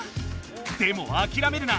でもあきらめるな！